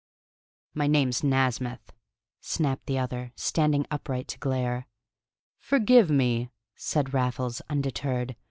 "My name's Nasmyth," snapped the other, standing upright to glare. "Forgive me," said Raffles undeterred.